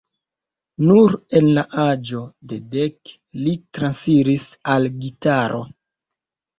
Nur en la aĝo de dek li transiris al gitaro.